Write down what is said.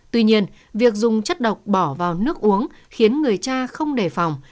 tuy nhiên việc dùng chất độc bỏ vào nước uống khiến người cha không đề phòng